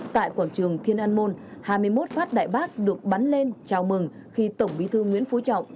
tại quảng trường thiên an môn hai mươi một phát đại bác được bắn lên chào mừng khi tổng bí thư nguyễn phú trọng